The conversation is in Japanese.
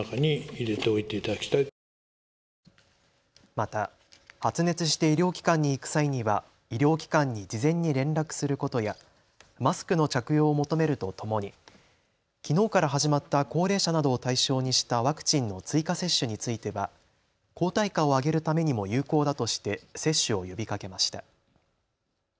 また発熱して医療機関に行く際には医療機関に事前に連絡することやマスクの着用を求めるとともにきのうから始まった高齢者などを対象にしたワクチンの追加接種については抗体価を上げるためにも有効だとして接種を呼びかけました。